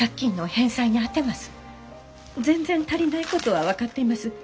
全然足りないことは分かっています。